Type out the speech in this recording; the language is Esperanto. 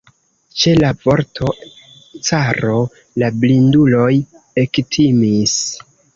Ĉe la vorto "caro" la blinduloj ektimis.